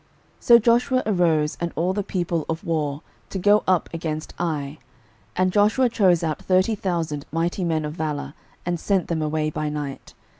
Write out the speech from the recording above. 06:008:003 So Joshua arose, and all the people of war, to go up against Ai: and Joshua chose out thirty thousand mighty men of valour, and sent them away by night.